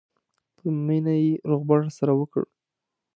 په مینه یې روغبړ راسره وکړ.